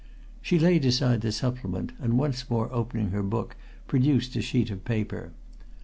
She laid aside the supplement and once more opening her book produced a sheet of paper.